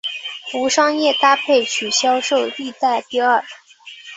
无商业搭配曲销售历代第二。